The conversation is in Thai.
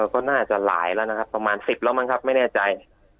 ก็น่าจะหลายแล้วนะครับประมาณ๑๐แล้วมั้งครับไม่แน่ใจ